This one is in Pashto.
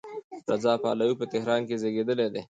رضا پهلوي په تهران کې زېږېدلی دی.